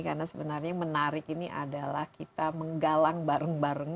karena sebenarnya menarik ini adalah kita menggalang bareng bareng